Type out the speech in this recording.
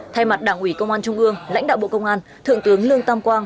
thay mặt đảng ủy công an trung ương lãnh đạo bộ công an thượng tướng lương tam quang